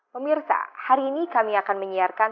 pemirsa hari ini kami akan menyiarkan